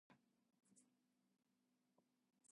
The windows are the danger.